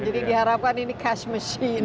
jadi diharapkan ini cash machine